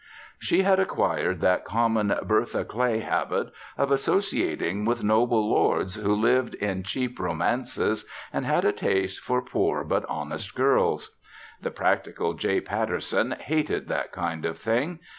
She had acquired that common Bertha Clay habit of associating with noble lords who lived in cheap romances and had a taste for poor but honest girls. The practical J. Patterson hated that kind of thing.